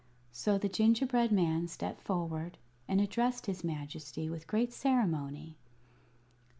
So the gingerbread man stepped forward and addressed his Majesty with great ceremony.